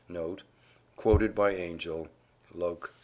"Quoted by Angell, loc.